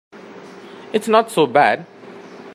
It's not so bad.